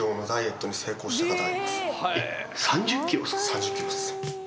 ３０ｋｇっす。